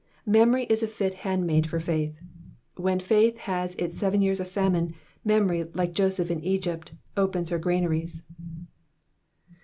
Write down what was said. Memory is a fit handmaid for faith. * When faith has its seven years of famine, memory like Joseph in Egypt opens her granaries.